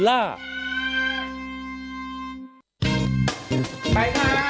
ไปค่ะ